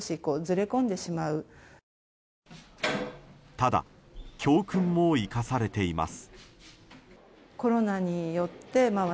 ただ教訓も生かされています。